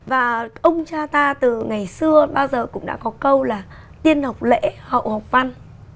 và ông cha ta từ ngày xưa bao giờ cũng đã có câu là tiên học lễ hậu học văn